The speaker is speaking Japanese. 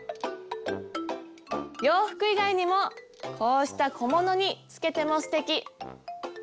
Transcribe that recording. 洋服以外にもこうした小物につけてもすてき。